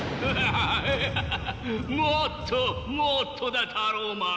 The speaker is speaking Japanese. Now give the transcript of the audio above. もっともっとだタローマン！